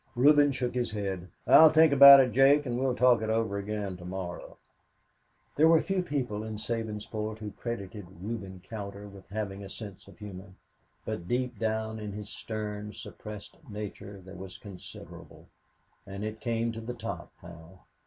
Reuben shook his head. "I'll think about it, Jake, and we'll talk it over again to morrow." There were few people in Sabinsport who credited Reuben Cowder with having a sense of humor, but deep down in his stern, suppressed nature there was considerable, and it came to the top now.